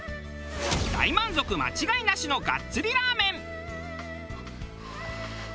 大満足間違いなしのがっつりラーメン。